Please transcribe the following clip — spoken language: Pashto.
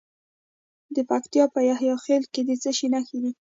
د پکتیکا په یحیی خیل کې د څه شي نښې دي؟